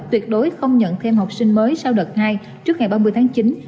tuyệt đối không nhận thêm học sinh mới sau đợt hai trước ngày ba mươi tháng chín